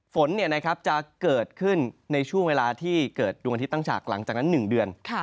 ฝนจะเกิดขึ้นในช่วงเวลาที่เกิดดวงอาทิตยตั้งฉากหลังจากนั้น๑เดือน